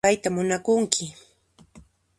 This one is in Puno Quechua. Qanmi payta munakunki